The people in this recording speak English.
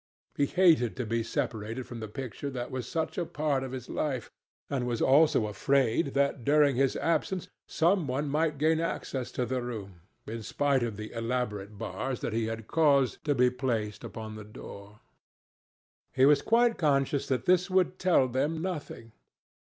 He hated to be separated from the picture that was such a part of his life, and was also afraid that during his absence some one might gain access to the room, in spite of the elaborate bars that he had caused to be placed upon the door. He was quite conscious that this would tell them nothing.